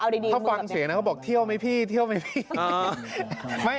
ถ้าฟังเสียงนะเขาบอกเที่ยวไหมพี่เที่ยวไหมพี่